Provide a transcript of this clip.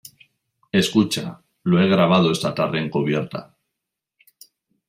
escucha, lo he grabado esta tarde en cubierta.